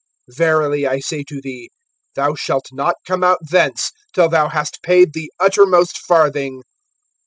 (26)Verily I say to thee, thou shalt not come out thence, till thou hast paid the uttermost farthing.